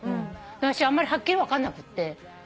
私あんまりはっきり分かんなくって。